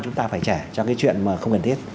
chúng ta phải trả cho cái chuyện mà không cần thiết